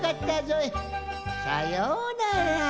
さようなら。